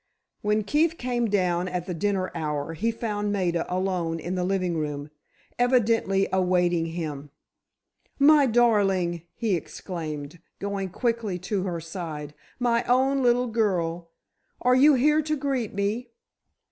When Keefe came down at the dinner hour, he found Maida alone in the living room, evidently awaiting him. "My darling!" he exclaimed, going quickly to her side, "my own little girl! Are you here to greet me?"